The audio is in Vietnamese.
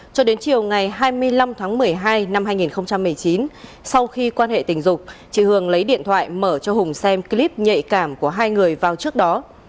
cho đến chiều ngày hai mươi năm tháng một mươi hai năm hai nghìn một mươi chín sau khi quan hệ tình dục chị hường lấy điện thoại mở cho hùng xem clip nhạy cảm của hai người vào trước đó